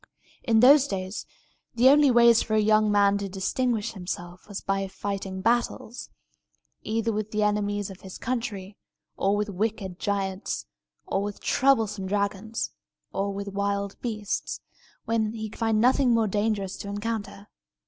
In those days, the only way for a young man to distinguish himself was by fighting battles, either with the enemies of his country, or with wicked giants, or with troublesome dragons, or with wild beasts, when he could find nothing more dangerous to encounter.